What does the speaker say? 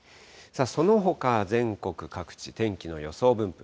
そのほか、全国各地、天気の予想分布